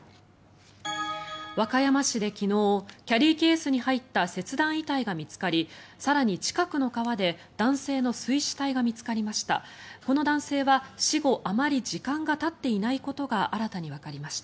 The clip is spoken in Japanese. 和歌山市で昨日キャリーケースに入った切断遺体が見つかり更に、近くの川で男性の水死体が見つかりました。